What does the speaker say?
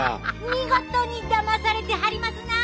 見事にだまされてはりますな。